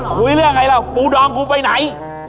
พูดเรื่องไงแล้วปูดองไปไหน